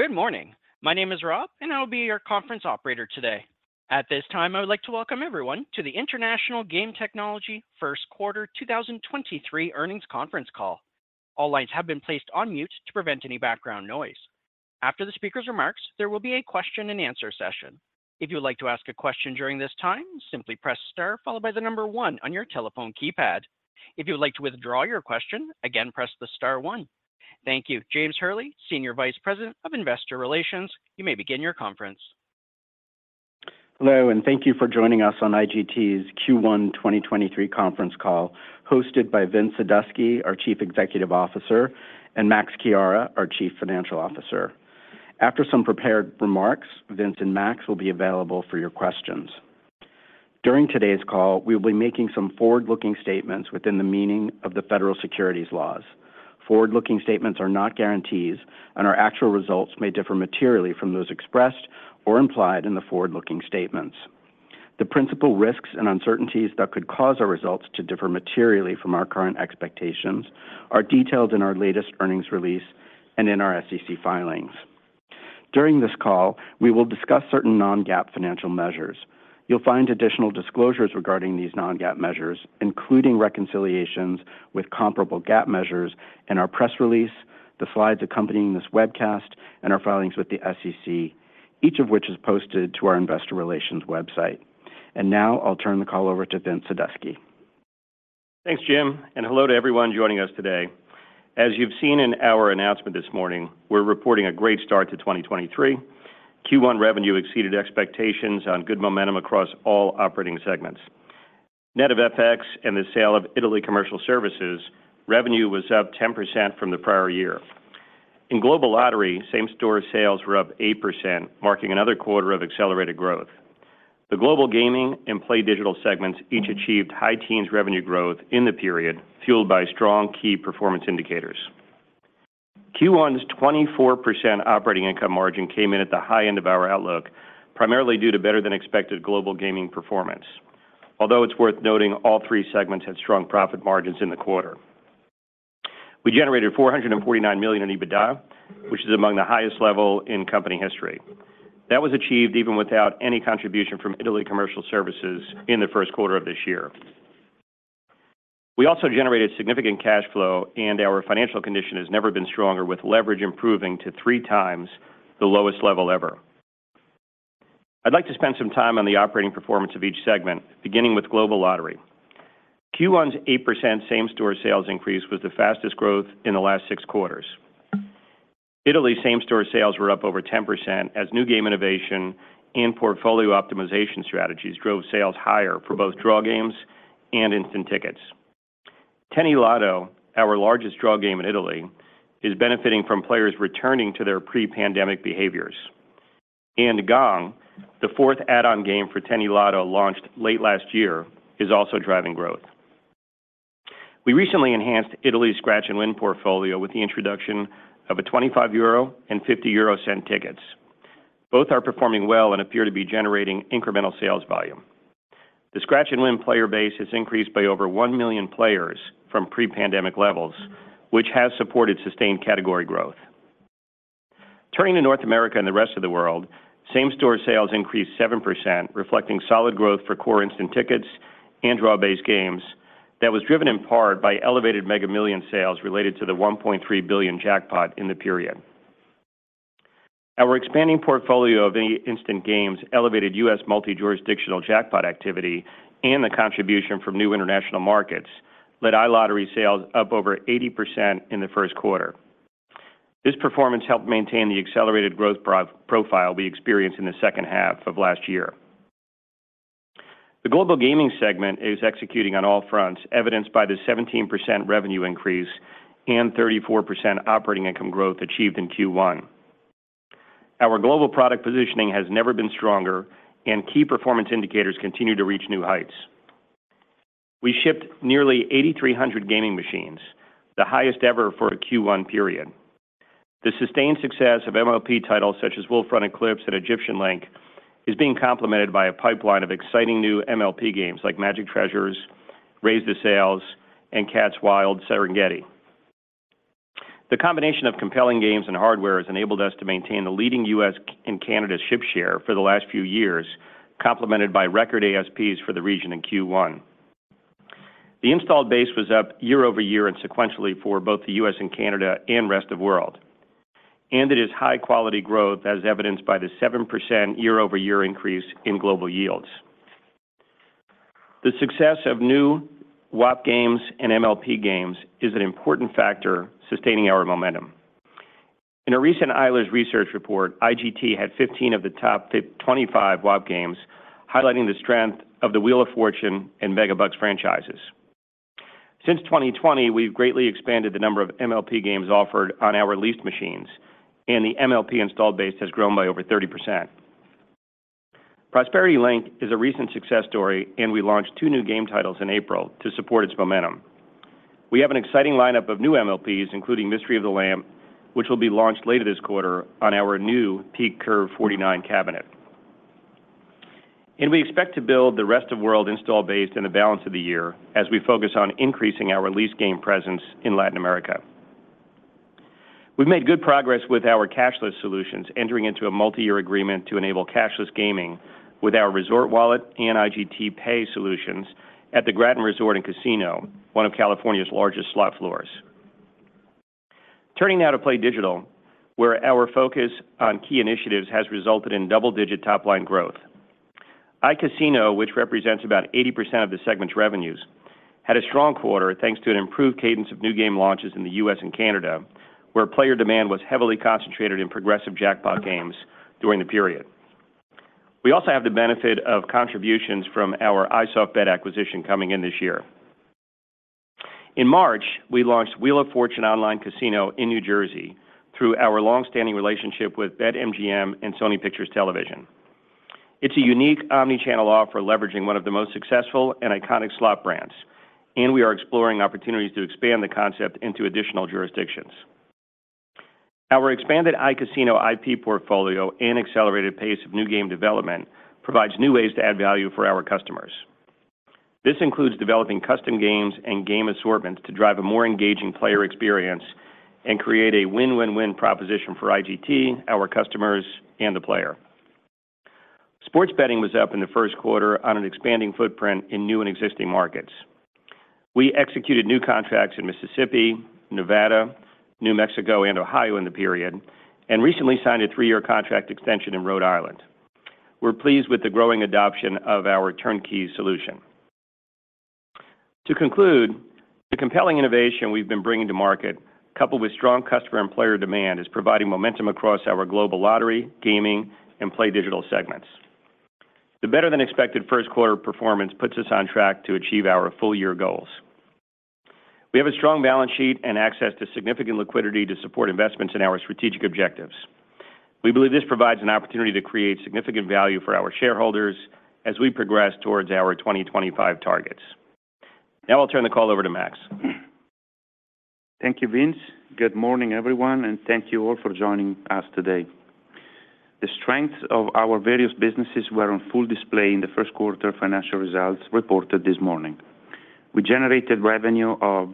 Good morning. My name is Rob, and I will be your conference operator today. At this time, I would like to welcome everyone to the International Game Technology First Quarter 2023 Earnings Conference Call. All lines have been placed on mute to prevent any background noise. After the speaker's remarks, there will be a Q&A session. If you would like to ask a question during this time, simply press star followed by the number one on your telephone keypad. If you would like to withdraw your question, again, press the star one. Thank you. James Hurley, Senior Vice President of Investor Relations, you may begin your conference. Hello, and thank you for joining us on IGT's Q1 2023 conference call hosted by Vince Sadusky, our Chief Executive Officer, and Max Chiara, our Chief Financial Officer. After some prepared remarks, Vince and Max will be available for your questions. During today's call, we will be making some forward-looking statements within the meaning of the federal securities laws. Forward-looking statements are not guarantees, and our actual results may differ materially from those expressed or implied in the forward-looking statements. The principal risks and uncertainties that could cause our results to differ materially from our current expectations are detailed in our latest earnings release and in our SEC filings. During this call, we will discuss certain non-GAAP financial measures. You'll find additional disclosures regarding these non-GAAP measures, including reconciliations with comparable GAAP measures in our press release, the slides accompanying this webcast, and our filings with the SEC, each of which is posted to our investor relations website. Now I'll turn the call over to Vince Sadusky. Thanks, Jim. Hello to everyone joining us today. As you've seen in our announcement this morning, we're reporting a great start to 2023. Q1 revenue exceeded expectations on good momentum across all operating segments. Net of FX and the sale of Italy commercial services, revenue was up 10% from the prior year. In Global Lottery, same-store sales were up 8%, marking another quarter of accelerated growth. The Global Gaming and PlayDigital segments each achieved high teens revenue growth in the period, fueled by strong key performance indicators. Q1's 24% operating income margin came in at the high end of our outlook, primarily due to better-than-expected Global Gaming performance. It's worth noting all three segments had strong profit margins in the quarter. We generated $449 million in EBITDA, which is among the highest level in company history. That was achieved even without any contribution from Italy commercial services in the first quarter of this year. We also generated significant cash flow, and our financial condition has never been stronger, with leverage improving to three times the lowest level ever. I'd like to spend some time on the operating performance of each segment, beginning with Global Lottery. Q1's 8% same-store sales increase was the fastest growth in the last six quarters. Italy same-store sales were up over 10% as new game innovation and portfolio optimization strategies drove sales higher for both draw games and instant tickets. 10eLotto, our largest draw game in Italy, is benefiting from players returning to their pre-pandemic behaviors. Gong, the fourth add-on game for 10eLotto launched late last year, is also driving growth. We recently enhanced Italy's Scratch and Win portfolio with the introduction of a 25 euro and 0.50 tickets. Both are performing well and appear to be generating incremental sales volume. The Scratch and Win player base has increased by over 1 million players from pre-pandemic levels, which has supported sustained category growth. Turning to North America and the rest of the world, same-store sales increased 7%, reflecting solid growth for core instant tickets and draw-based games that was driven in part by elevated Mega Millions sales related to the $1.3 billion jackpot in the period. Our expanding portfolio of any instant games elevated U.S. multi-jurisdictional jackpot activity and the contribution from new international markets led iLottery sales up over 80% in the first quarter. This performance helped maintain the accelerated growth profile we experienced in the second half of last year. The Global Gaming segment is executing on all fronts, evidenced by the 17% revenue increase and 34% operating income growth achieved in Q1. Our global product positioning has never been stronger and key performance indicators continue to reach new heights. We shipped nearly 8,300 gaming machines, the highest ever for a Q1 period. The sustained success of MLP titles such as Wolf Run Eclipse and Egyptian Link is being complemented by a pipeline of exciting new MLP games like Magic Treasures, Raise the Sails, and Cats Wild Serengeti. The combination of compelling games and hardware has enabled us to maintain the leading U.S. and Canada ship share for the last few years, complemented by record ASPs for the region in Q1. The installed base was up year-over-year and sequentially for both the U.S. and Canada and rest of world. It is high-quality growth as evidenced by the 7% year-over-year increase in global yields. The success of new WAP games and MLP games is an important factor sustaining our momentum. In a recent Eilers Research report, IGT had 15 of the top 25 WAP games highlighting the strength of the Wheel of Fortune and Megabucks franchises. Since 2020, we've greatly expanded the number of MLP games offered on our leased machines. The MLP installed base has grown by over 30%. Prosperity Link is a recent success story, and we launched two new game titles in April to support its momentum. We have an exciting lineup of new MLPs, including Mystery of the Lamp, which will be launched later this quarter on our new PeakCurve49 cabinet. We expect to build the rest-of-world install base in the balance of the year as we focus on increasing our lease game presence in Latin America. We've made good progress with our cashless solutions, entering into a multi-year agreement to enable cashless gaming with our Resort Wallet and IGTPay Solutions at the Graton Resort & Casino, one of California's largest slot floors. Turning now to PlayDigital, where our focus on key initiatives has resulted in double-digit top-line growth. iCasino, which represents about 80% of the segment's revenues, had a strong quarter, thanks to an improved cadence of new game launches in the U.S. and Canada, where player demand was heavily concentrated in progressive jackpot games during the period. We also have the benefit of contributions from our iSoftBet acquisition coming in this year. In March, we launched Wheel of Fortune Online Casino in New Jersey through our long-standing relationship with BetMGM and Sony Pictures Television. It's a unique omnichannel offer leveraging one of the most successful and iconic slot brands. We are exploring opportunities to expand the concept into additional jurisdictions. Our expanded iCasino IP portfolio and accelerated pace of new game development provides new ways to add value for our customers. This includes developing custom games and game assortments to drive a more engaging player experience and create a win-win-win proposition for IGT, our customers, and the player. Sports betting was up in the first quarter on an expanding footprint in new and existing markets. Recently signed a three-year contract extension in Rhode Island. We're pleased with the growing adoption of our turnkey solution. To conclude, the compelling innovation we've been bringing to market, coupled with strong customer and player demand, is providing momentum across our Global Lottery, Gaming, and PlayDigital segments. The better-than-expected first quarter performance puts us on track to achieve our full-year goals. We have a strong balance sheet and access to significant liquidity to support investments in our strategic objectives. We believe this provides an opportunity to create significant value for our shareholders as we progress towards our 2025 targets. I'll turn the call over to Max. Thank you, Vince. Good morning, everyone, and thank you all for joining us today. The strengths of our various businesses were on full display in the first quarter financial results reported this morning. We generated revenue of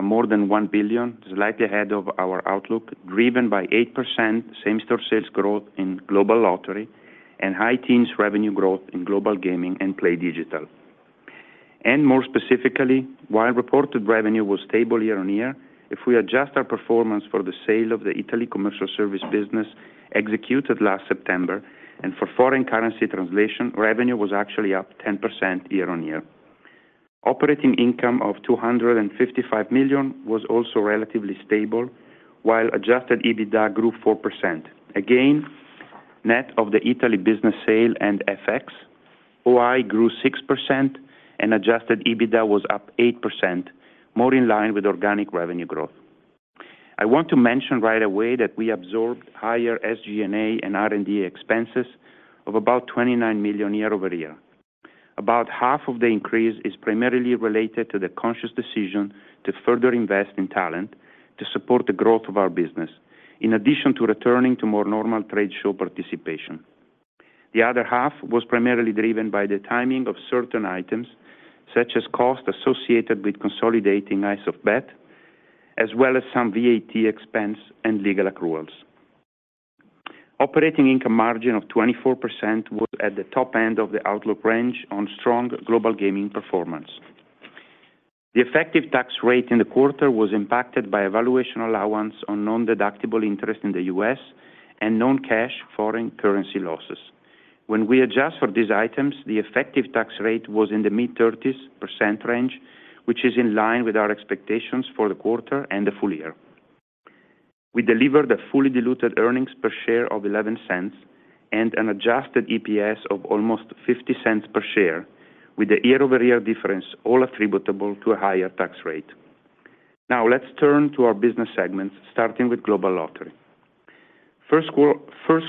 more than $1 billion, slightly ahead of our outlook, driven by 8% same-store sales growth in Global Lottery and high-teens revenue growth in Global Gaming and PlayDigital. More specifically, while reported revenue was stable year-on-year, if we adjust our performance for the sale of the Italy commercial services business executed last September and for foreign currency translation, revenue was actually up 10% year-on-year. Operating income of $255 million was also relatively stable while adjusted EBITDA grew 4%. Again, net of the Italy business sale and FX, OI grew 6% and adjusted EBITDA was up 8%, more in line with organic revenue growth. I want to mention right away that we absorbed higher SG&A and R&D expenses of about $29 million year-over-year. About half of the increase is primarily related to the conscious decision to further invest in talent to support the growth of our business, in addition to returning to more normal trade show participation. The other half was primarily driven by the timing of certain items, such as costs associated with consolidating iSoftBet, as well as some VAT expense and legal accruals. Operating income margin of 24% was at the top end of the outlook range on strong Global Gaming performance. The effective tax rate in the quarter was impacted by a valuation allowance on non-deductible interest in the U.S. and non-cash foreign currency losses. When we adjust for these items, the effective tax rate was in the mid-30s% range, which is in line with our expectations for the quarter and the full year. We delivered a fully diluted earnings per share of $0.11 and an adjusted EPS of almost $0.50 per share, with the year-over-year difference all attributable to a higher tax rate. Let's turn to our business segments, starting with Global Lottery. First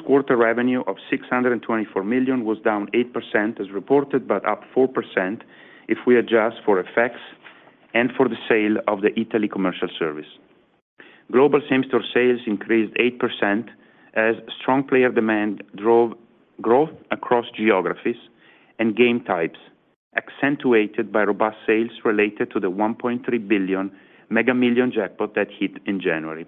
quarter revenue of $624 million was down 8% as reported, but up 4% if we adjust for effects and for the sale of the Italy commercial services. Global same-store sales increased 8% as strong player demand drove growth across geographies and game types, accentuated by robust sales related to the $1.3 billion Mega Millions jackpot that hit in January.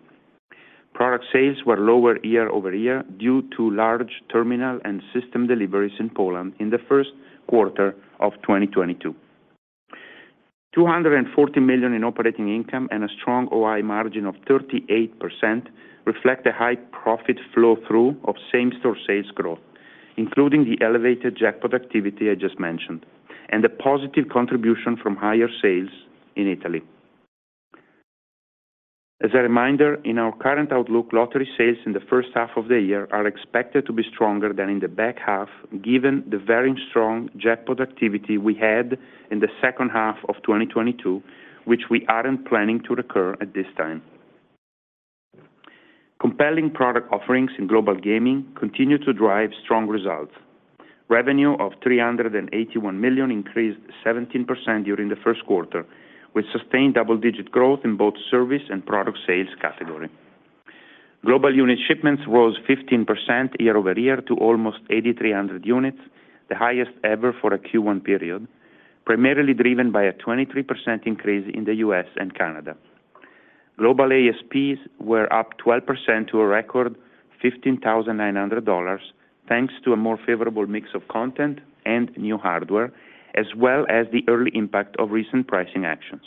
Product sales were lower year-over-year due to large terminal and system deliveries in Poland in the first quarter of 2022. $240 million in operating income and a strong OI margin of 38% reflect the high profit flow-through of same-store sales growth, including the elevated jackpot activity I just mentioned and the positive contribution from higher sales in Italy. As a reminder, in our current outlook, lottery sales in the first half of the year are expected to be stronger than in the back half, given the very strong jackpot activity we had in the second half of 2022, which we aren't planning to recur at this time. Compelling product offerings in Global Gaming continue to drive strong results. Revenue of $381 million increased 17% during the first quarter, with sustained double-digit growth in both service and product sales category. Global unit shipments rose 15% year-over-year to almost 8,300 units, the highest ever for a Q1 period, primarily driven by a 23% increase in the U.S. and Canada. Global ASPs were up 12% to a record $15,900, thanks to a more favorable mix of content and new hardware, as well as the early impact of recent pricing actions.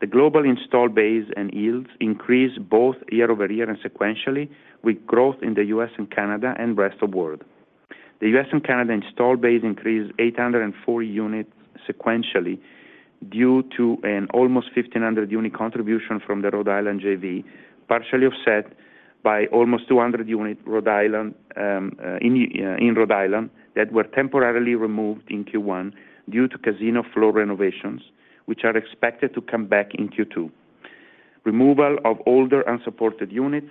The global install base and yields increased both year-over-year and sequentially, with growth in the U.S. and Canada and rest of world. The US and Canada install base increased 804 units sequentially due to an almost 1,500 unit contribution from the Rhode Island JV, partially offset by almost 200 unit Rhode Island in Rhode Island that were temporarily removed in Q1 due to casino floor renovations, which are expected to come back in Q2. Removal of older unsupported units,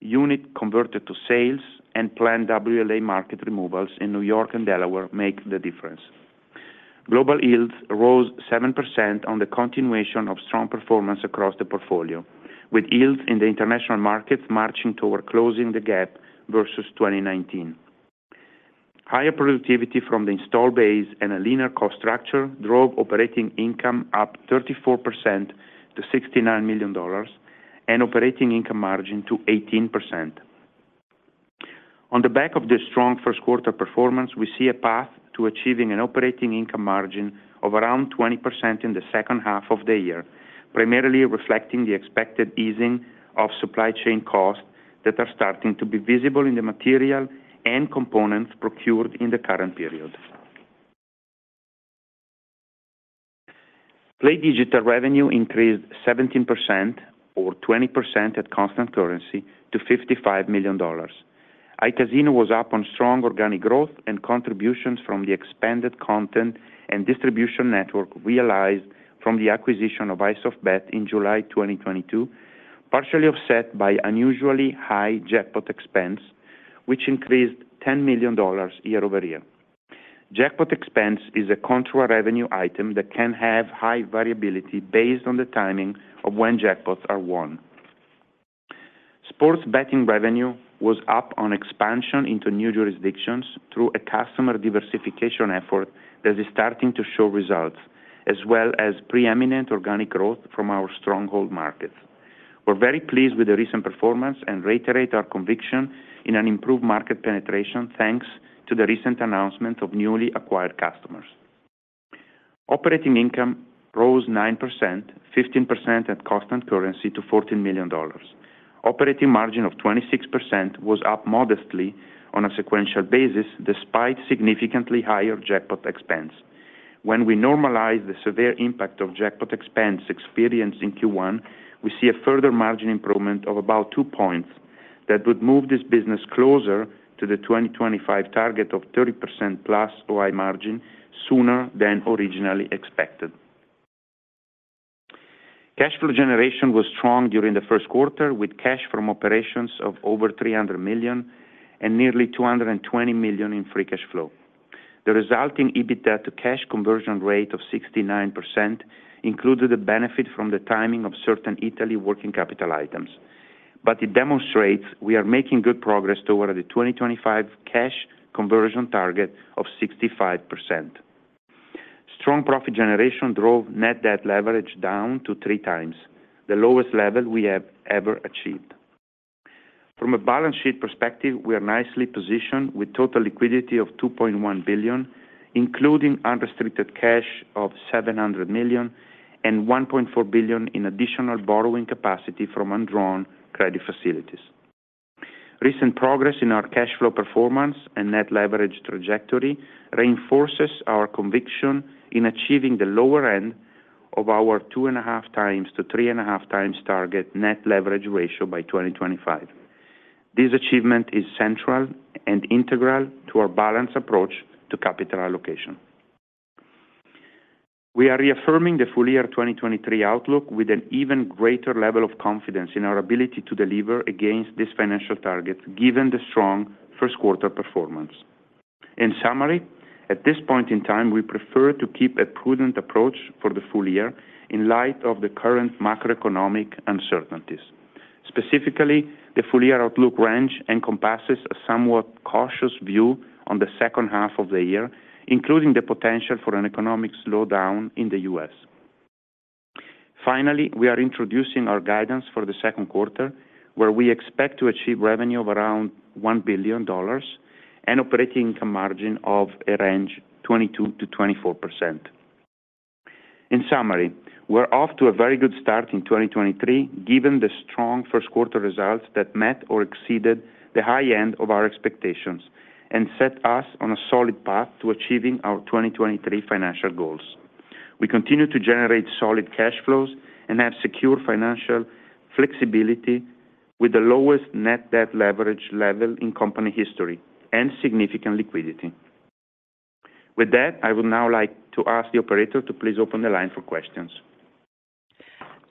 unit converted to sales, and planned WLA market removals in New York and Delaware make the difference. Global yields rose 7% on the continuation of strong performance across the portfolio, with yields in the international markets marching toward closing the gap versus 2019. Higher productivity from the install base and a leaner cost structure drove operating income up 34% to $69 million and operating income margin to 18%. On the back of this strong first quarter performance, we see a path to achieving an operating income margin of around 20% in the second half of the year, primarily reflecting the expected easing of supply chain costs that are starting to be visible in the material and components procured in the current period. PlayDigital revenue increased 17% or 20% at constant currency to $55 million. iCasino was up on strong organic growth and contributions from the expanded content and distribution network realized from the acquisition of iSoftBet in July 2022, partially offset by unusually high jackpot expense, which increased $10 million year-over-year. Jackpot expense is a contra revenue item that can have high variability based on the timing of when jackpots are won. Sports betting revenue was up on expansion into new jurisdictions through a customer diversification effort that is starting to show results, as well as preeminent organic growth from our stronghold markets. We're very pleased with the recent performance and reiterate our conviction in an improved market penetration, thanks to the recent announcement of newly acquired customers. operating income rose 9%, 15% at constant currency, to $14 million. operating margin of 26% was up modestly on a sequential basis despite significantly higher jackpot expense. When we normalize the severe impact of jackpot expense experienced in Q1, we see a further margin improvement of about two points that would move this business closer to the 2025 target of 30% plus OI margin sooner than originally expected. Cash flow generation was strong during the first quarter, with cash from operations of over $300 million and nearly $220 million in free cash flow. The resulting EBITDA to cash conversion rate of 69% included a benefit from the timing of certain Italy working capital items. It demonstrates we are making good progress toward the 2025 cash conversion target of 65%. Strong profit generation drove net debt leverage down to three times, the lowest level we have ever achieved. From a balance sheet perspective, we are nicely positioned with total liquidity of $2.1 billion, including unrestricted cash of $700 million and $1.4 billion in additional borrowing capacity from undrawn credit facilities. Recent progress in our cash flow performance and net leverage trajectory reinforces our conviction in achieving the lower end of our 2.5x-3.5x target net leverage ratio by 2025. This achievement is central and integral to our balanced approach to capital allocation. We are reaffirming the full year 2023 outlook with an even greater level of confidence in our ability to deliver against this financial target, given the strong first quarter performance. In summary, at this point in time, we prefer to keep a prudent approach for the full year in light of the current macroeconomic uncertainties. Specifically, the full year outlook range encompasses a somewhat cautious view on the second half of the year, including the potential for an economic slowdown in the U.S. We are introducing our guidance for the second quarter, where we expect to achieve revenue of around $1 billion and operating income margin of a range 22%-24%. We're off to a very good start in 2023, given the strong first quarter results that met or exceeded the high end of our expectations and set us on a solid path to achieving our 2023 financial goals. We continue to generate solid cash flows and have secure financial flexibility with the lowest net debt leverage level in company history and significant liquidity. I would now like to ask the operator to please open the line for questions.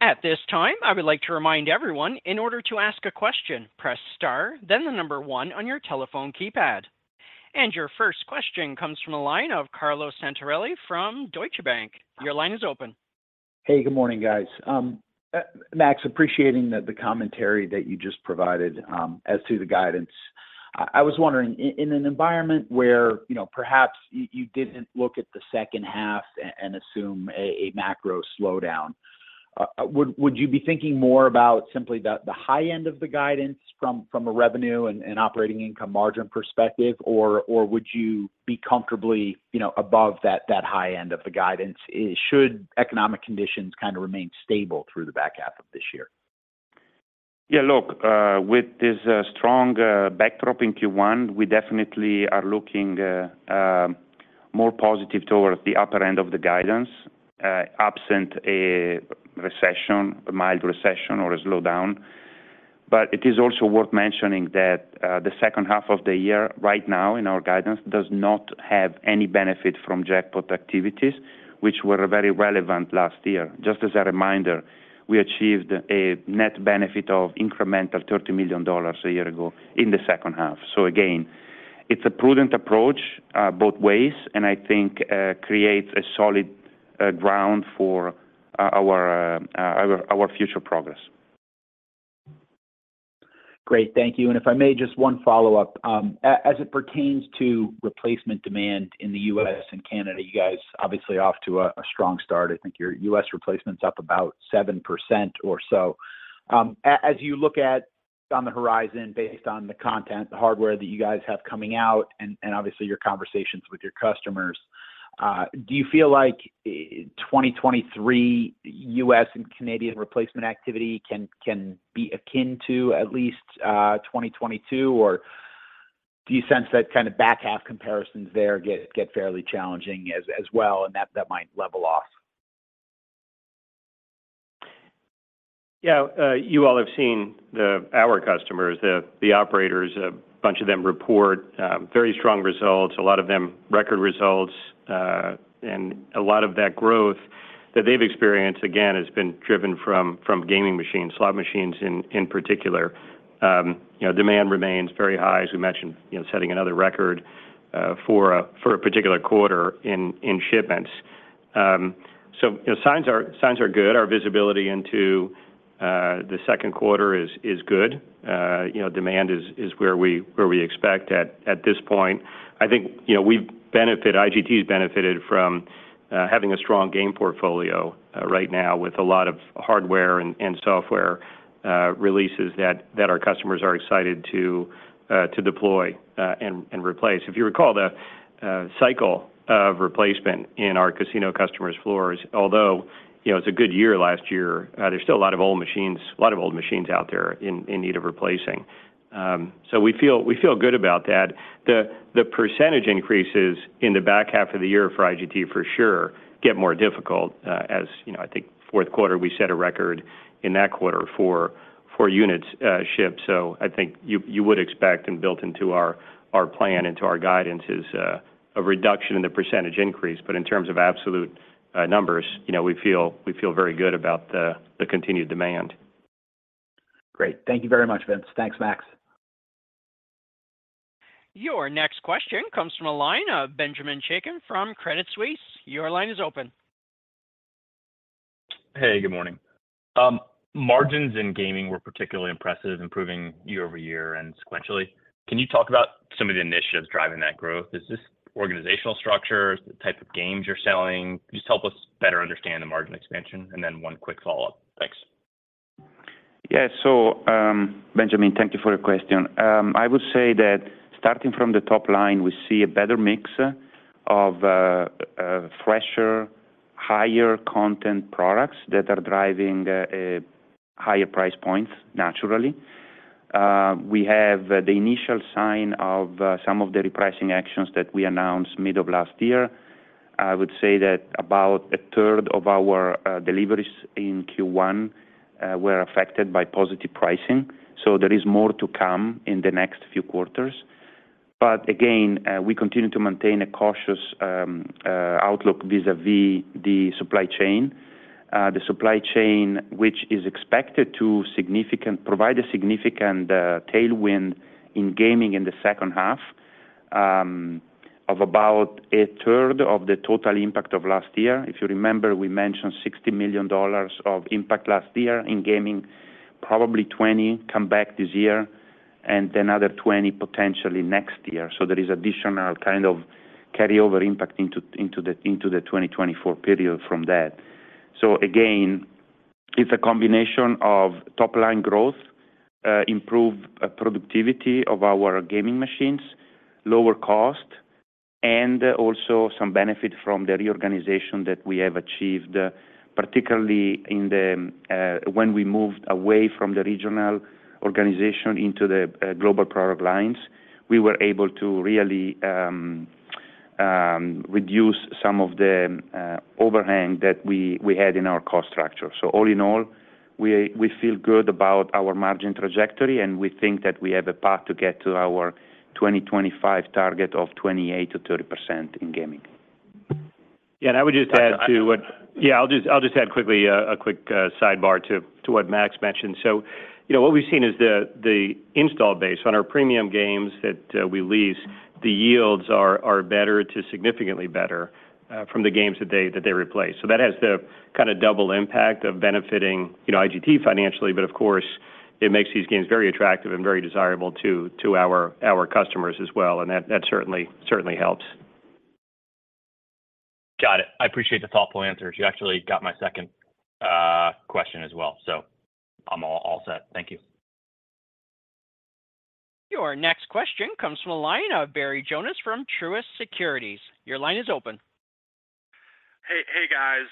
At this time, I would like to remind everyone, in order to ask a question, press star, then the number one on your telephone keypad. Your first question comes from the line of Carlo Santarelli from Deutsche Bank. Your line is open. Hey, good morning, guys. Max, appreciating that the commentary that you just provided, as to the guidance. I was wondering in an environment where, you know, perhaps you didn't look at the second half and assume a macro slowdown, would you be thinking more about simply the high end of the guidance from a revenue and operating income margin perspective? Or, would you be comfortably, you know, above that high end of the guidance should economic conditions kind of remain stable through the back half of this year? Yeah, look, with this strong backdrop in Q1, we definitely are looking more positive towards the upper end of the guidance, absent a recession, a mild recession or a slowdown. It is also worth mentioning that the second half of the year right now in our guidance does not have any benefit from jackpot activities, which were very relevant last year. Just as a reminder, we achieved a net benefit of incremental $30 million a year ago in the second half. Again, it's a prudent approach both ways, and I think creates a solid ground for our future progress. Great. Thank you. If I may, just one follow-up. As it pertains to replacement demand in the U.S. and Canada, you guys obviously off to a strong start. I think your U.S. replacement's up about 7% or so. As you look at on the horizon based on the content, the hardware that you guys have coming out and obviously your conversations with your customers, do you feel like 2023 U.S. and Canadian replacement activity can be akin to at least 2022? Or do you sense that kind of back half comparisons there get fairly challenging as well, and that might level off? Yeah. You all have seen our customers, the operators, a bunch of them report very strong results, a lot of them record results. A lot of that growth that they've experienced, again, has been driven from gaming machines, slot machines in particular. You know, demand remains very high, as we mentioned, you know, setting another record for a particular quarter in shipments. You know, signs are good. Our visibility into the second quarter is good. You know, demand is where we expect at this point. I think, you know, IGT has benefited from having a strong game portfolio right now with a lot of hardware and software releases that our customers are excited to deploy and replace. If you recall the cycle of replacement in our casino customers' floors, although, you know, it's a good year last year, there's still a lot of old machines out there in need of replacing. We feel good about that. The percentage increases in the back half of the year for IGT for sure get more difficult, as you know, I think fourth quarter we set a record in that quarter for units shipped. I think you would expect and built into our plan, into our guidance is a reduction in the percentage increase. In terms of absolute numbers, you know, we feel very good about the continued demand. Great. Thank you very much, Vince. Thanks, Max. Your next question comes from a line of Benjamin Chaiken from Credit Suisse. Your line is open. Hey, good morning. Margins in gaming were particularly impressive, improving year-over-year and sequentially. Can you talk about some of the initiatives driving that growth? Is this organizational structure? Is the type of games you're selling? Just help us better understand the margin expansion. One quick follow-up. Thanks. Yeah. Benjamin, thank you for your question. I would say that starting from the top line, we see a better mix of fresher, higher content products that are driving higher price points naturally. We have the initial sign of some of the repricing actions that we announced mid of last year. I would say that about a third of our deliveries in Q1 were affected by positive pricing, so there is more to come in the next few quarters. Again, we continue to maintain a cautious outlook vis-à-vis the supply chain. The supply chain, which is expected to provide a significant tailwind in gaming in the second half, of about a third of the total impact of last year. If you remember, we mentioned $60 million of impact last year in gaming. Probably 20 come back this year and another 20 potentially next year. There is additional kind of carryover impact into the 2024 period from that. Again, it's a combination of top-line growth, improved productivity of our gaming machines, lower cost, and also some benefit from the reorganization that we have achieved, particularly in the, when we moved away from the regional organization into the global product lines, we were able to really reduce some of the overhang that we had in our cost structure. All in all, we feel good about our margin trajectory, and we think that we have a path to get to our 2025 target of 28%-30% in gaming. Yeah, I would just add quickly a quick sidebar to what Max mentioned. You know, what we've seen is the install base on our premium games that we lease, the yields are better to significantly better from the games that they replace. That has the kind of double impact of benefiting, you know, IGT financially. Of course, it makes these games very attractive and very desirable to our customers as well. That certainly helps. Got it. I appreciate the thoughtful answers. You actually got my second question as well. I'm all set. Thank you. Your next question comes from the line of Barry Jonas from Truist Securities. Your line is open. Hey, hey guys.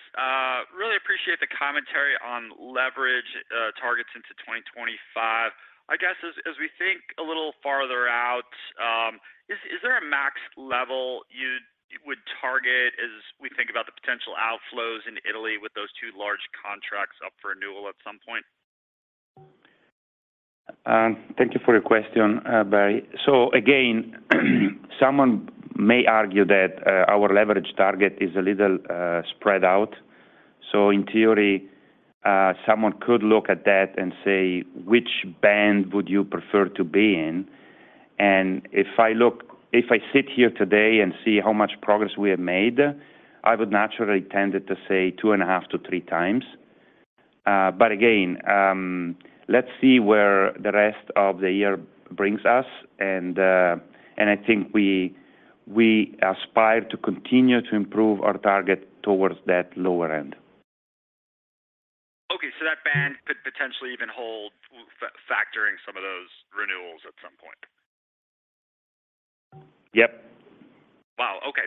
Really appreciate the commentary on leverage, targets into 2025. I guess as we think a little farther out, is there a max level you would target as we think about the potential outflows in Italy with those two large contracts up for renewal at some point? Thank you for your question, Barry. Again, someone may argue that our leverage target is a little spread out. In theory, someone could look at that and say, "Which band would you prefer to be in?" If I sit here today and see how much progress we have made, I would naturally tended to say 2.5 to three times. Again, let's see where the rest of the year brings us, and I think we aspire to continue to improve our target towards that lower end. Okay. That band could potentially even hold factoring some of those renewals at some point. Yep. Wow. Okay.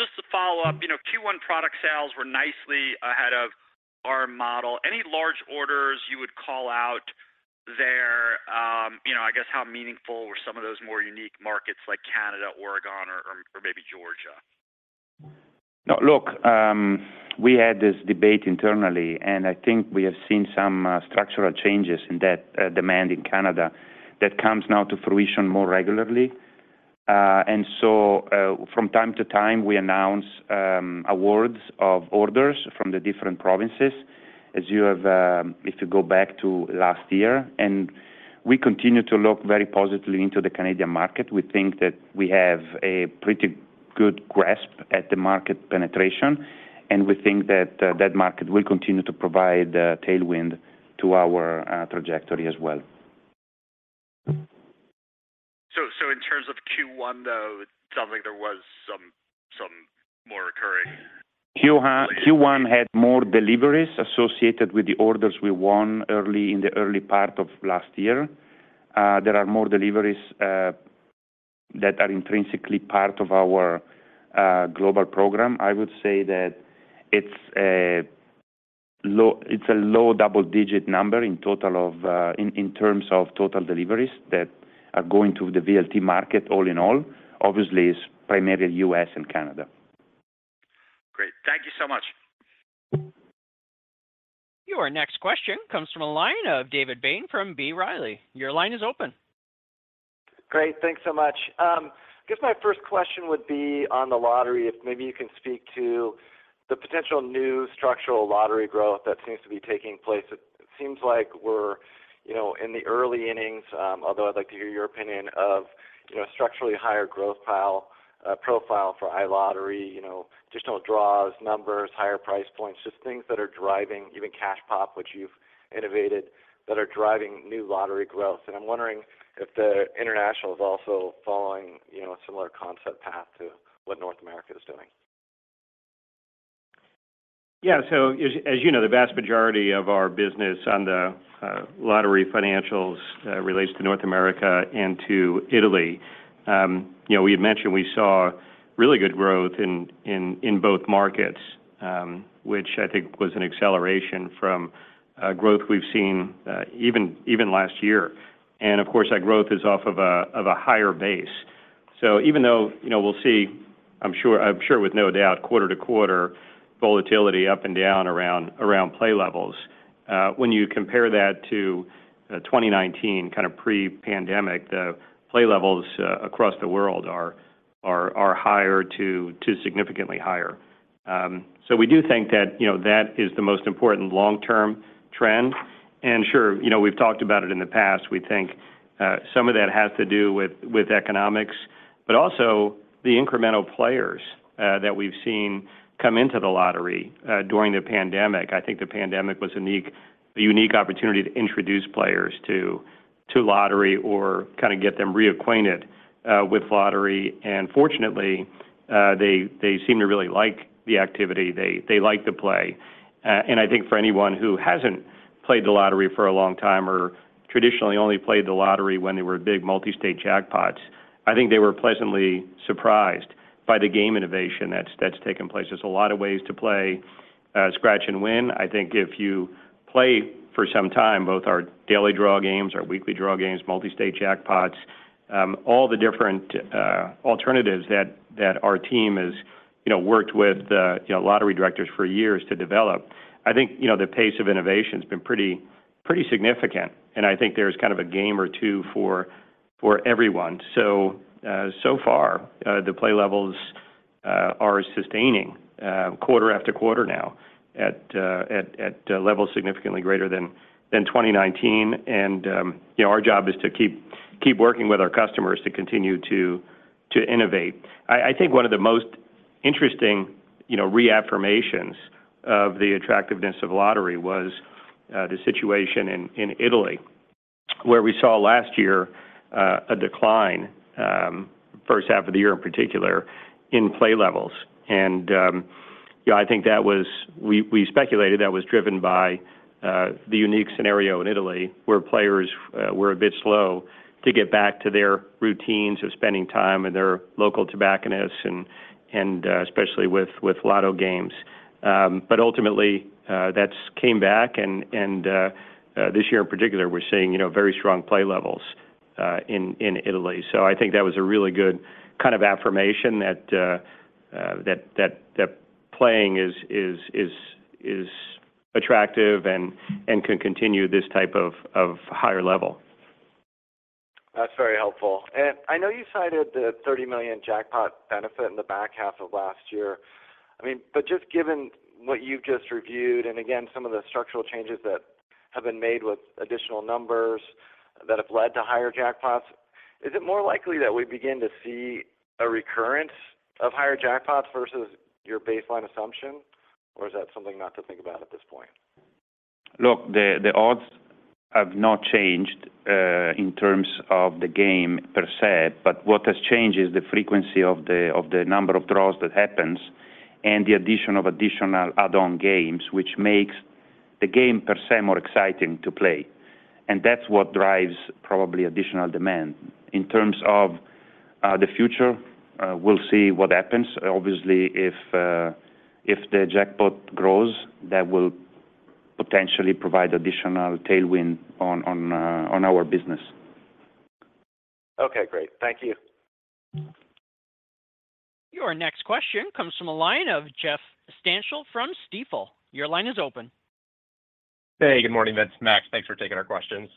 Just to follow up, you know, Q1 product sales were nicely ahead of our model. Any large orders you would call out there, you know, I guess how meaningful were some of those more unique markets like Canada, Oregon or maybe Georgia? No, look, we had this debate internally, and I think we have seen some structural changes in that demand in Canada that comes now to fruition more regularly. So, from time to time, we announce awards of orders from the different provinces as you have, if you go back to last year. We continue to look very positively into the Canadian market. We think that we have a pretty good grasp at the market penetration, and we think that market will continue to provide a tailwind to our trajectory as well. In terms of Q1, though, it sounds like there was some more recurring- Q1 had more deliveries associated with the orders we won early in the early part of last year. There are more deliveries that are intrinsically part of our global program. I would say that it's a low double-digit number in total of in terms of total deliveries that are going to the VLT market all in all. Obviously, it's primarily U.S. and Canada. Great. Thank you so much. Your next question comes from a line of David Bain from B. Riley. Your line is open. Great. Thanks so much. I guess my first question would be on the lottery. If maybe you can speak to the potential new structural lottery growth that seems to be taking place. It seems like we're, you know, in the early innings, although I'd like to hear your opinion of, you know, structurally higher growth profile for iLottery, you know, additional draws, numbers, higher price points, just things that are driving even Cash Pop, which you've innovated, that are driving new lottery growth. I'm wondering if the international is also following, you know, a similar concept path to what North America is doing? Yeah. As you know, the vast majority of our business on the lottery financials relates to North America and to Italy. You know, we had mentioned we saw really good growth in both markets, which I think was an acceleration from growth we've seen even last year. Of course, that growth is off of a higher base. Even though, you know, we'll see, I'm sure with no doubt, quarter-to-quarter volatility up and down around play levels. When you compare that to 2019 kind of pre-pandemic, the play levels across the world are higher to significantly higher. We do think that, you know, that is the most important long-term trend. Sure, you know, we've talked about it in the past. We think some of that has to do with economics, but also the incremental players that we've seen come into the lottery during the pandemic. I think the pandemic was unique, a unique opportunity to introduce players to lottery or kind of get them reacquainted with lottery. Fortunately, they seem to really like the activity. They like to play. I think for anyone who hasn't played the lottery for a long time or traditionally only played the lottery when there were big multi-state jackpots, I think they were pleasantly surprised by the game innovation that's taken place. There's a lot of ways to play, scratch and win. I think if you play for some time, both our daily draw games, our weekly draw games, multi-state jackpots, all the different alternatives that our team has, you know, worked with the, you know, lottery directors for years to develop. I think, you know, the pace of innovation has been pretty significant. I think there's kind of a game or two for everyone. So far, the play levels are sustaining quarter after quarter now at levels significantly greater than 2019. You know, our job is to keep working with our customers to continue to innovate. I think one of the most interesting, you know, reaffirmations of the attractiveness of lottery was the situation in Italy, where we saw last year, a decline, first half of the year in particular, in play levels. You know, I think that was we speculated that was driven by the unique scenario in Italy, where players were a bit slow to get back to their routines of spending time with their local tobacconists and especially with Lotto games. Ultimately, that's came back and this year in particular, we're seeing, you know, very strong play levels, in Italy. I think that was a really good kind of affirmation that playing is attractive and can continue this type of higher level. That's very helpful. I know you cited the $30 million jackpot benefit in the back half of last year. I mean, just given what you've just reviewed and again, some of the structural changes that have been made with additional numbers that have led to higher jackpots, is it more likely that we begin to see a recurrence of higher jackpots versus your baseline assumption? Is that something not to think about at this point? Look, the odds have not changed in terms of the game per se, but what has changed is the frequency of the number of draws that happens and the addition of additional add-on games, which makes the game per se more exciting to play. That's what drives probably additional demand. In terms of the future, we'll see what happens. Obviously, if the jackpot grows, that will potentially provide additional tailwind on our business. Okay, great. Thank you. Your next question comes from the line of Jeff Stantial from Stifel. Your line is open. Hey, good morning, Vince, Max. Thanks for taking our questions.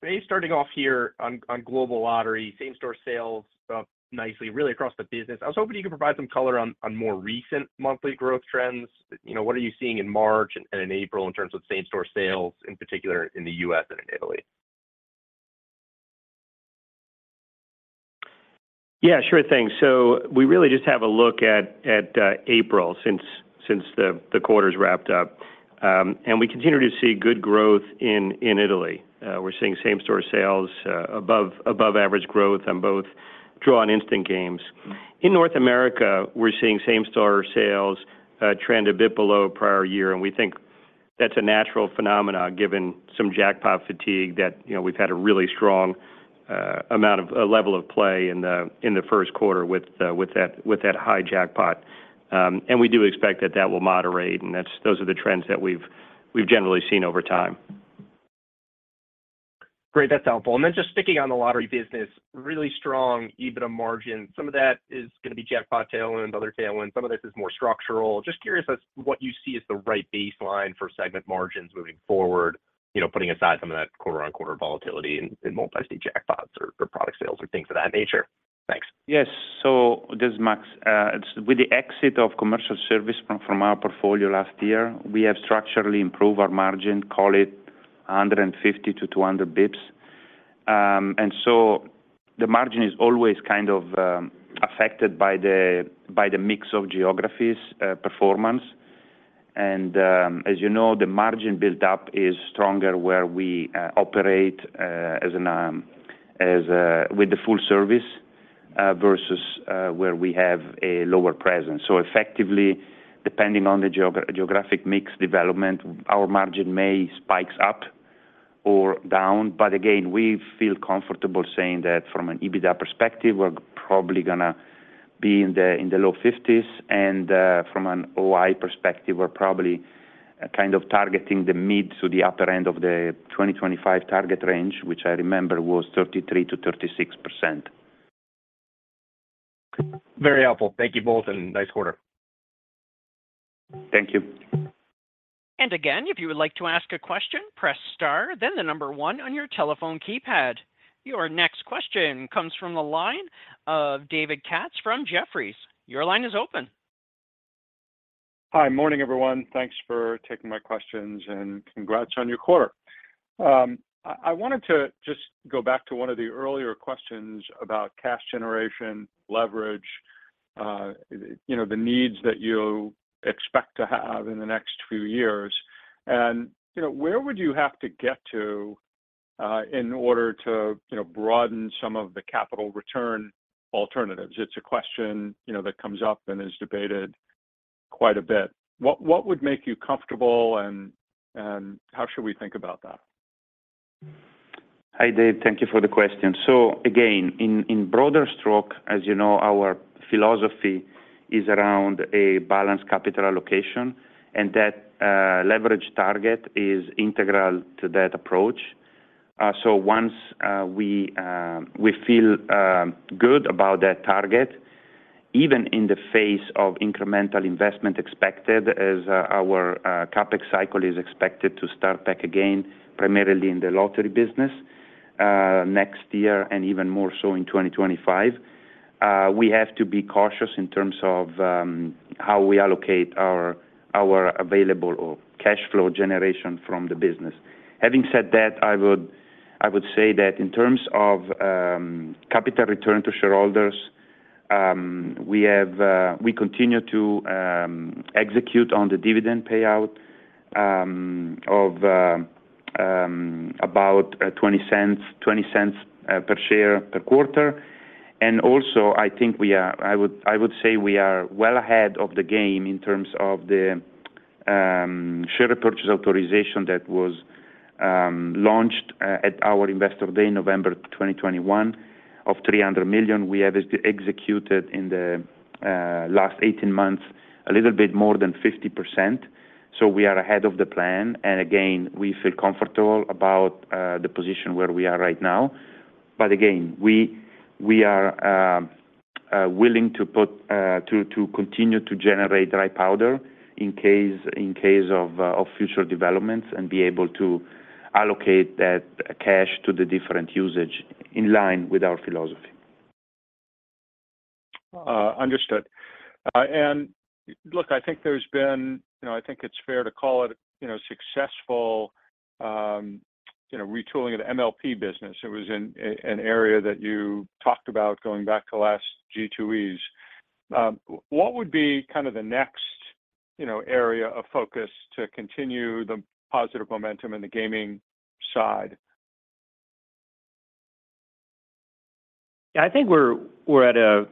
Maybe starting off here on Global Lottery, same-store sales up nicely, really across the business. I was hoping you could provide some color on more recent monthly growth trends. You know, what are you seeing in March and in April in terms of same-store sales, in particular in the U.S. and in Italy? Yeah, sure thing. We really just have a look at April since the quarter's wrapped up. We continue to see good growth in Italy. We're seeing same-store sales above average growth on both draw and instant games. In North America, we're seeing same-store sales trend a bit below prior year, and we think that's a natural phenomena given some jackpot fatigue that, you know, we've had a really strong level of play in the first quarter with that high jackpot. We do expect that that will moderate, and those are the trends that we've generally seen over time. Great. That's helpful. Just sticking on the lottery business, really strong EBITDA margin. Some of that is going to be jackpot tailwind, other tailwind. Some of this is more structural. Just curious as what you see as the right baseline for segment margins moving forward, you know, putting aside some of that quarter-on-quarter volatility in multi-state jackpots or product sales or things of that nature. Thanks. Yes. This is Max. With the exit of commercial service from our portfolio last year, we have structurally improved our margin, call it 150-200 bips. The margin is always kind of affected by the mix of geographies, performance. As you know, the margin build-up is stronger where we operate as an with the full service versus where we have a lower presence. Effectively, depending on the geographic mix development, our margin may spikes up or down. Again, we feel comfortable saying that from an EBITDA perspective, we're probably gonna be in the low 50s. From an OI perspective, we're probably kind of targeting the mid to the upper end of the 2025 target range, which I remember was 33%-36%. Very helpful. Thank you both. Nice quarter. Thank you. Again, if you would like to ask a question, press star, then the one on your telephone keypad. Your next question comes from the line of David Katz from Jefferies. Your line is open. Hi. Morning, everyone. Thanks for taking my questions, and congrats on your quarter. I wanted to just go back to one of the earlier questions about cash generation, leverage, you know, the needs that you expect to have in the next few years. You know, where would you have to get to, in order to, you know, broaden some of the capital return alternatives? It's a question, you know, that comes up and is debated quite a bit. What would make you comfortable and how should we think about that? Hi, Dave. Thank you for the question. Again, in broader stroke, as you know, our philosophy is around a balanced capital allocation, and that leverage target is integral to that approach. Once we feel good about that target even in the face of incremental investment expected as our CapEx cycle is expected to start back again, primarily in the lottery business next year and even more so in 2025. We have to be cautious in terms of how we allocate our available cash flow generation from the business. Having said that, I would say that in terms of capital return to shareholders, we continue to execute on the dividend payout of about $0.20 per share per quarter. Also I think I would say we are well ahead of the game in terms of the share repurchase authorization that was launched at our Investor Day in November 2021 of $300 million. We have as-executed in the last 18 months a little bit more than 50%. We are ahead of the plan. Again, we feel comfortable about the position where we are right now. Again, we are willing to put to continue to generate dry powder in case of future developments and be able to allocate that cash to the different usage in line with our philosophy. Understood. Look, I think there's been, you know, I think it's fair to call it, you know, successful, you know, retooling of the MLP business. It was in an area that you talked about going back to last G2E. What would be kind of the next, you know, area of focus to continue the positive momentum in the gaming side? I think we're at a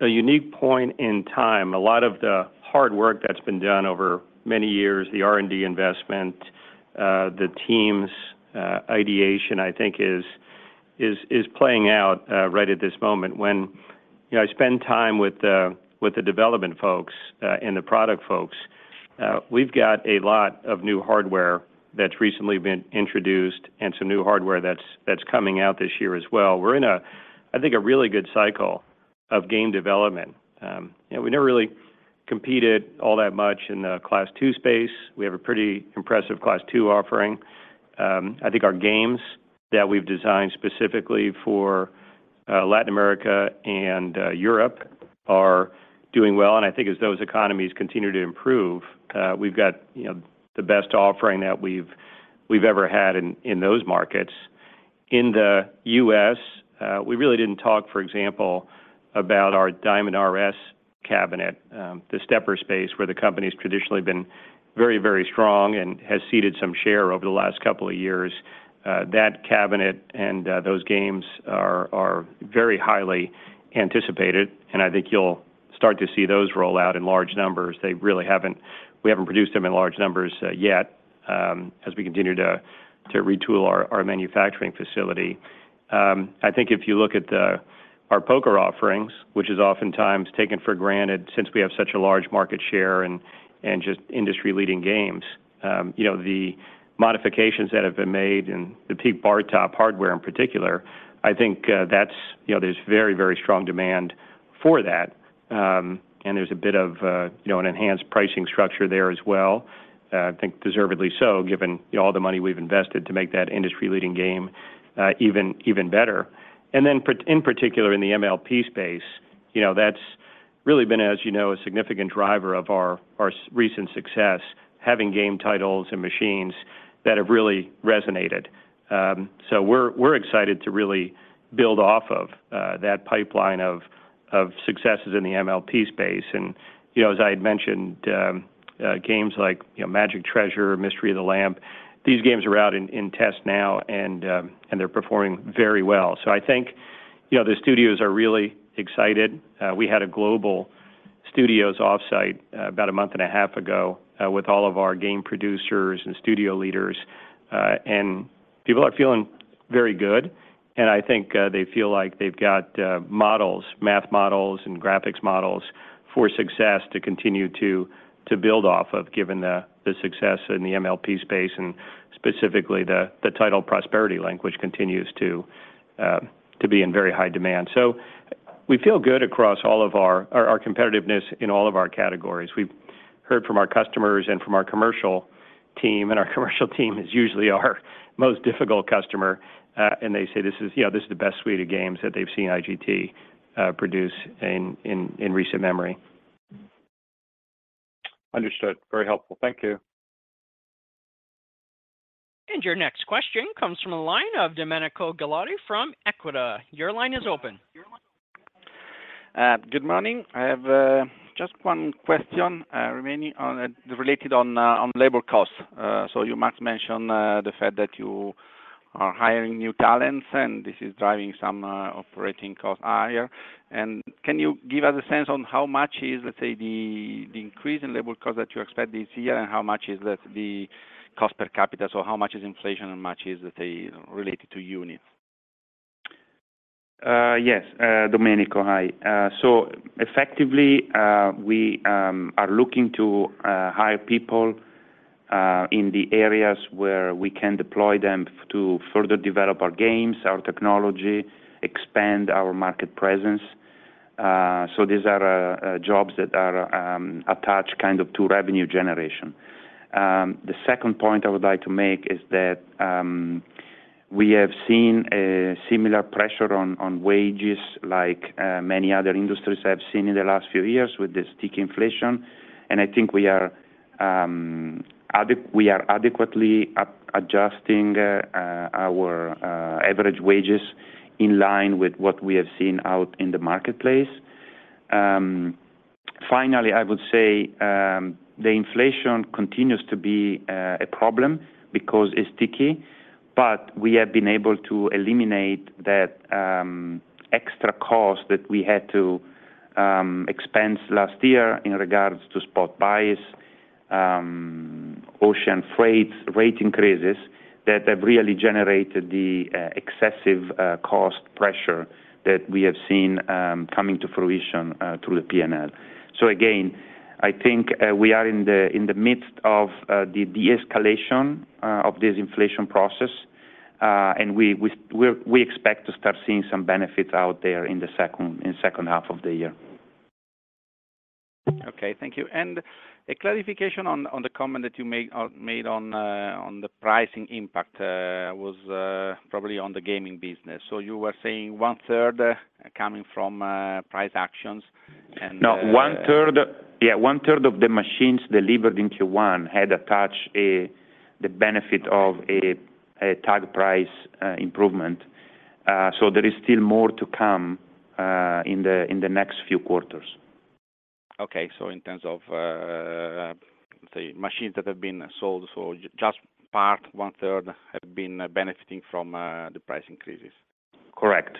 unique point in time. A lot of the hard work that's been done over many years, the R&D investment, the teams' ideation, I think is playing out right at this moment. When, you know, I spend time with the development folks and the product folks, we've got a lot of new hardware that's recently been introduced and some new hardware that's coming out this year as well. We're in a, I think, a really good cycle of game development. You know, we never really competed all that much in the Class II space. We have a pretty impressive Class II offering. I think our games that we've designed specifically for Latin America and Europe are doing well. I think as those economies continue to improve, we've got, you know, the best offering that we've ever had in those markets. In the U.S., we really didn't talk, for example, about our DiamondRS cabinet, the stepper space, where the company's traditionally been very, very strong and has ceded some share over the last couple of years. That cabinet and those games are very highly anticipated, and I think you'll start to see those roll out in large numbers. We haven't produced them in large numbers yet, as we continue to retool our manufacturing facility. I think if you look at our poker offerings, which is oftentimes taken for granted since we have such a large market share and just industry-leading games, you know, the modifications that have been made and the PeakBarTop hardware in particular, I think, that's, you know, there's very, very strong demand for that. And there's a bit of, you know, an enhanced pricing structure there as well, I think deservedly so, given, you know, all the money we've invested to make that industry-leading game, even better. In particular in the MLP space, you know, that's really been, as you know, a significant driver of our recent success, having game titles and machines that have really resonated. We're excited to really build off of that pipeline of successes in the MLP space. You know, as I had mentioned, games like, you know, Magic Treasures, Mystery of the Lamp, these games are out in test now, and they're performing very well. I think, you know, the studios are really excited. We had a global studios offsite about a month and a half ago with all of our game producers and studio leaders, and people are feeling very good. I think they feel like they've got models, math models and graphics models for success to continue to build off of, given the success in the MLP space and specifically the title Prosperity Link, which continues to be in very high demand. We feel good across all of our competitiveness in all of our categories. We've heard from our customers and from our commercial team. Our commercial team is usually our most difficult customer. They say this is, you know, this is the best suite of games that they've seen IGT produce in recent memory. Understood. Very helpful. Thank you. Your next question comes from the line of Domenico Ghilotti from Equita. Your line is open. Good morning. I have just one question related on labor costs. You, Marc, mentioned the fact that you are hiring new talents, and this is driving some operating costs higher. Can you give us a sense on how much is, let's say, the increase in labor cost that you expect this year and how much is the cost per capita? How much is inflation and how much is, let's say, related to unit? Yes. Domenico, hi. Effectively, we are looking to hire people In the areas where we can deploy them to further develop our games, our technology, expand our market presence. These are jobs that are attached kind of to revenue generation. The second point I would like to make is that we have seen a similar pressure on wages like many other industries have seen in the last few years with the sticky inflation. I think we are adequately adjusting our average wages in line with what we have seen out in the marketplace. Finally, I would say, the inflation continues to be a problem because it's sticky, but we have been able to eliminate that extra cost that we had to expense last year in regards to spot buys, ocean freight rate increases that have really generated the excessive cost pressure that we have seen coming to fruition through the P&L. Again, I think, we are in the midst of the de-escalation of this inflation process. We expect to start seeing some benefits out there in the second half of the year. Okay, thank you. A clarification on the comment that you made on the pricing impact was probably on the gaming business. You were saying one third coming from price actions. No. Yeah. One third of the machines delivered in Q1 had attached the benefit of a tag price improvement. There is still more to come in the next few quarters. Okay. In terms of, the machines that have been sold, so just part 1/3 have been benefiting from, the price increases? Correct.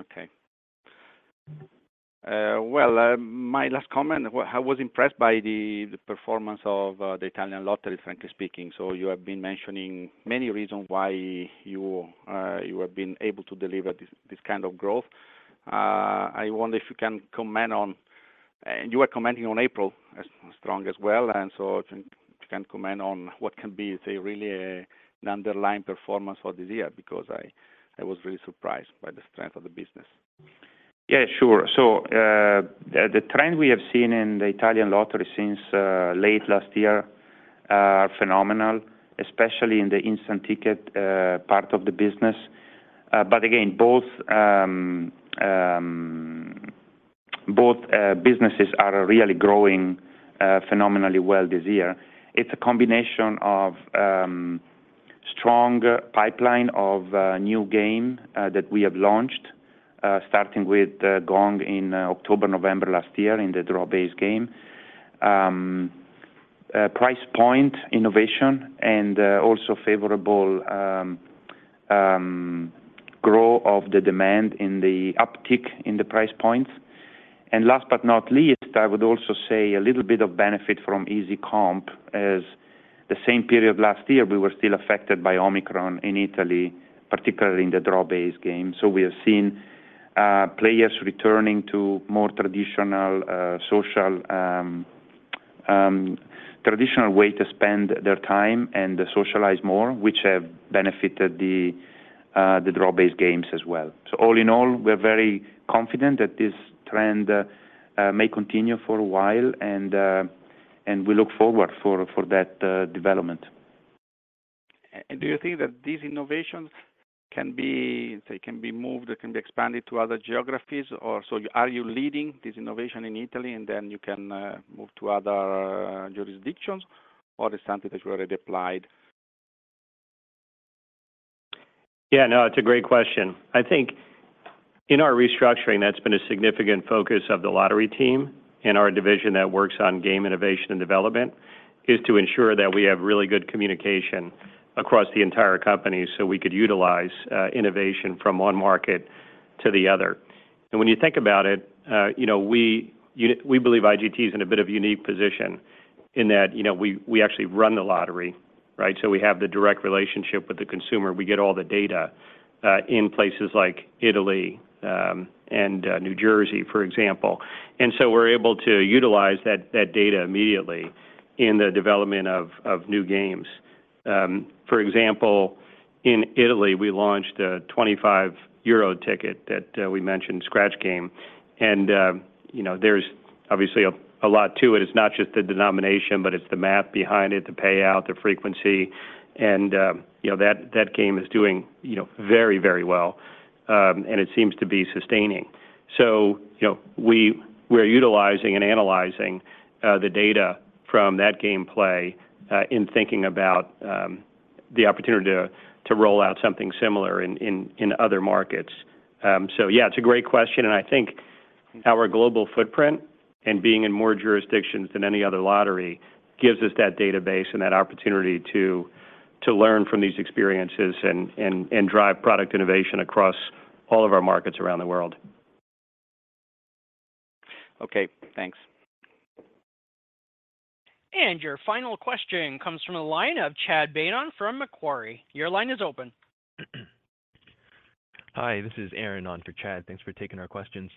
Okay. Well, my last comment, I was impressed by the performance of the Italian Lottery, frankly speaking. You have been mentioning many reasons why you have been able to deliver this kind of growth. I wonder if you can comment. You were commenting on April as strong as well, and so if you can comment on what can be, say, really, an underlying performance for this year, because I was really surprised by the strength of the business. Yeah, sure. The trend we have seen in the Italian Lottery since late last year are phenomenal, especially in the instant ticket part of the business. Again, both businesses are really growing phenomenally well this year. It's a combination of strong pipeline of new game that we have launched, starting with Gong in October, November last year in the draw-based game. Price point innovation and also favorable grow of the demand in the uptick in the price points. Last but not least, I would also say a little bit of benefit from easy comp as the same period last year, we were still affected by Omicron in Italy, particularly in the draw-based game. We have seen, players returning to more traditional, social, traditional way to spend their time and socialize more, which have benefited the draw based games as well. All in all, we're very confident that this trend, may continue for a while, and, we look forward for that, development. Do you think that these innovations can be moved or can be expanded to other geographies? Are you leading this innovation in Italy, and then you can move to other jurisdictions or is something that you already applied? Yeah. No, it's a great question. I think in our restructuring, that's been a significant focus of the lottery team and our division that works on game innovation and development, is to ensure that we have really good communication across the entire company so we could utilize innovation from one market to the other. When you think about it, you know, we believe IGT is in a bit of a unique position in that, you know, we actually run the lottery, right? We have the direct relationship with the consumer. We get all the data in places like Italy and New Jersey, for example. We're able to utilize that data immediately in the development of new games. For example, in Italy, we launched a 25 euro ticket that we mentioned, scratch game. You know, there's obviously a lot to it. It's not just the denomination, but it's the math behind it, the payout, the frequency. You know, that game is doing, you know, very, very well. It seems to be sustaining. You know, we're utilizing and analyzing the data from that gameplay in thinking about the opportunity to roll out something similar in other markets. Yeah, it's a great question, and I think our global footprint and being in more jurisdictions than any other lottery gives us that database and that opportunity to learn from these experiences and drive product innovation across all of our markets around the world. Okay, thanks. Your final question comes from the line of Chad Beynon from Macquarie. Your line is open. Hi, this is Aaron on for Chad. Thanks for taking our questions.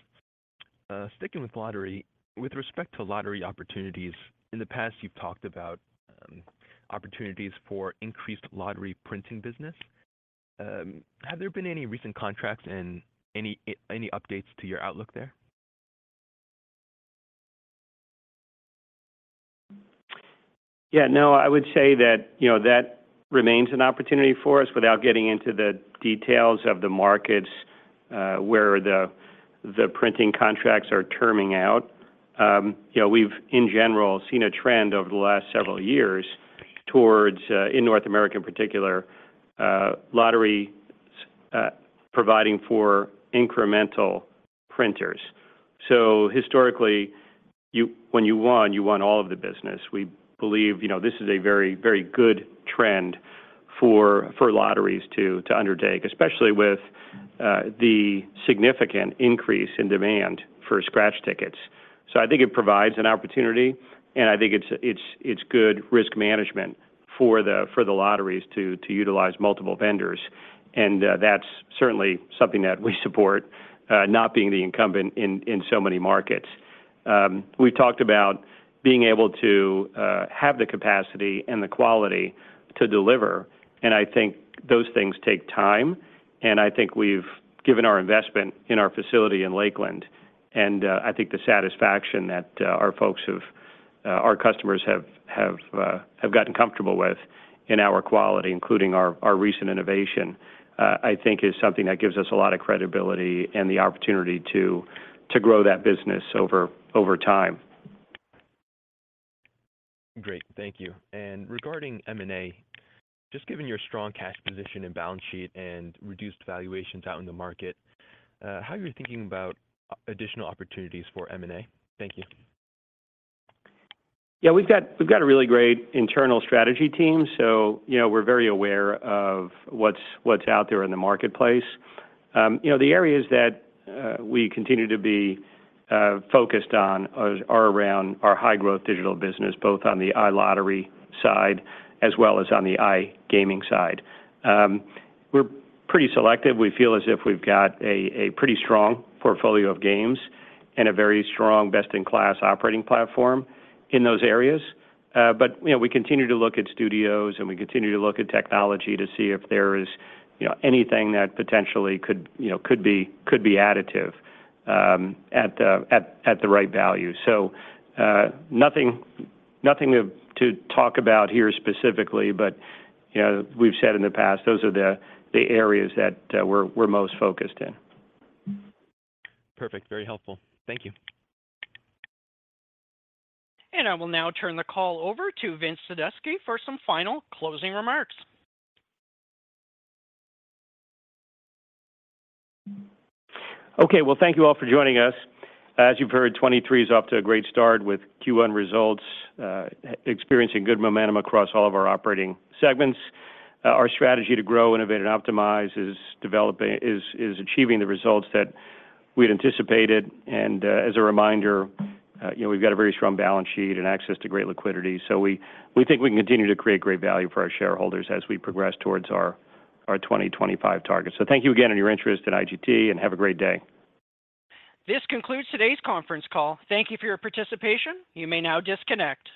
Sticking with lottery, with respect to lottery opportunities, in the past, you've talked about opportunities for increased lottery printing business. Have there been any recent contracts and any updates to your outlook there? Yeah, no, I would say that, you know, that remains an opportunity for us without getting into the details of the markets, where the printing contracts are terming out. You know, we've in general seen a trend over the last several years towards in North America in particular, lottery providing for incremental printers. Historically, when you won, you won all of the business. We believe, you know, this is a very, very good trend for lotteries to undertake, especially with the significant increase in demand for scratch tickets. I think it provides an opportunity, and I think it's good risk management for the lotteries to utilize multiple vendors. That's certainly something that we support, not being the incumbent in so many markets. We talked about being able to have the capacity and the quality to deliver, and I think those things take time, and I think we've given our investment in our facility in Lakeland. I think the satisfaction that our customers have gotten comfortable with in our quality, including our recent innovation, I think is something that gives us a lot of credibility and the opportunity to grow that business over time. Great. Thank you. Regarding M&A, just given your strong cash position and balance sheet and reduced valuations out in the market, how are you thinking about additional opportunities for M&A? Thank you. Yeah, we've got a really great internal strategy team, so you know, we're very aware of what's out there in the marketplace. You know, the areas that we continue to be focused on are around our high-growth digital business, both on the iLottery side as well as on the iGaming side. We're pretty selective. We feel as if we've got a pretty strong portfolio of games and a very strong best-in-class operating platform in those areas. You know, we continue to look at studios, and we continue to look at technology to see if there is, you know, anything that potentially could, you know, could be additive, at the right value. Nothing to talk about here specifically but we've said in the past, those are the areas that, we're most focused in. Perfect. Very helpful. Thank you. I will now turn the call over to Vince Sadusky for some final closing remarks. Okay. Well, thank you all for joining us. As you've heard, 2023 is off to a great start with Q1 results, experiencing good momentum across all of our operating segments. Our strategy to grow, innovate, and optimize is achieving the results that we'd anticipated. As a reminder, you know, we've got a very strong balance sheet and access to great liquidity. We think we can continue to create great value for our shareholders as we progress towards our 2025 targets. Thank you again on your interest at IGT, and have a great day. This concludes today's conference call. Thank you for your participation. You may now disconnect.